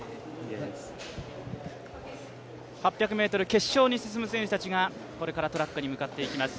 ８００ｍ決勝に進む選手たちが、これからトラックに向かっていきます。